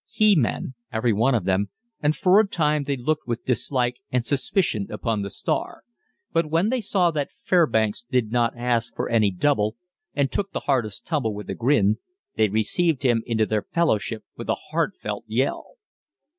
"He men" every one of them, and for a time they looked with dislike and suspicion upon the "star," but when they saw that Fairbanks did not ask for any "double," and took the hardest tumble with a grin, they received him into their fellowship with a heartfelt yell.